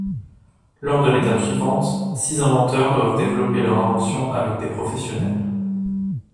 Lors de l'étape suivante, six inventeurs doivent développer leur invention avec des professionnels.